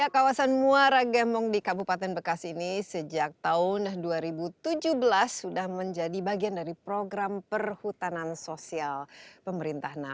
kawasan muara gembong di kabupaten bekasi ini sejak tahun dua ribu tujuh belas sudah menjadi bagian dari program perhutanan sosial pemerintah